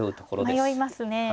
迷いますね。